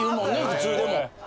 普通でも。